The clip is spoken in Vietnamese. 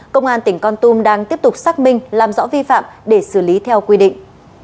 công an tỉnh con tum đang tiếp tục xác minh làm rõ vi phạm để xử lý theo quy định